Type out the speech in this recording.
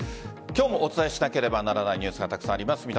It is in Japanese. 今日もお伝えしなければならないニュースがたくさんあります。